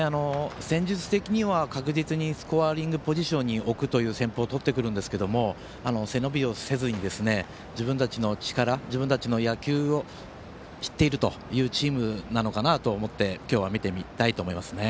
戦術的には完璧にスコアリングポジションに選手を置いてくるという戦法をとってくるんですが背伸びをせずに、自分たちの力自分たちの野球をしているチームなのかなと思って今日は見てみたいと思います。